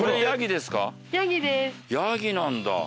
ヤギなんだ。